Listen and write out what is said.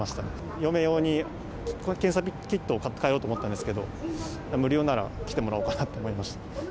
嫁用に検査キットを買って帰ろうと思ったんですけど、無料なら来てもらおうかなって思いました。